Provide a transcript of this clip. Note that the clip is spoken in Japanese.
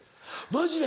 マジで？